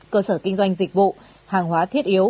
cơ sở kinh doanh dịch vụ hàng hóa thiết yếu